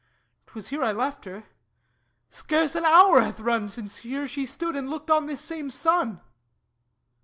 'Twas here I left her. Scarce an hour hath run Since here she stood and looked on this same sun.